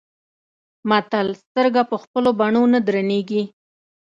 متل : سترګه په خپلو بڼو نه درنيږي.